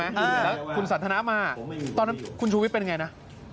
แล้วคุณสันทนามาตอนนั้นคุณชูวิทย์เป็นไงนะ